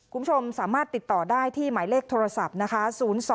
คุณผู้ชมสามารถติดต่อได้ที่หมายเลขโทรศัพท์นะคะ